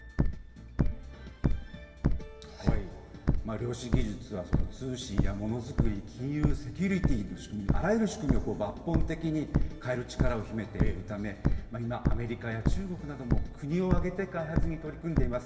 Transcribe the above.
量子技術は通信やものづくり、金融、セキュリティなど、セキュリティの仕組み、あらゆる分野を抜本的に変える力を秘めているため、今アメリカや中国なども国を挙げて開発に取り組んでいます。